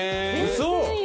嘘。